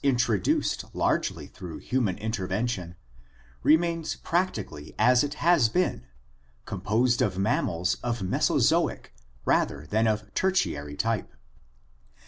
ADAPTIVE RADIATION 285 troduced largely through human intervention, remains practically as it has been, composed of mammals of Mesozoic rather than of Tertiary type.